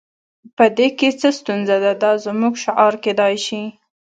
په دې کې څه ستونزه ده دا زموږ شعار کیدای شي